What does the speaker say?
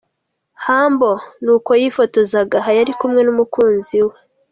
Humble n’uko yifotozaga aha yari kumwe n’umukunzi we.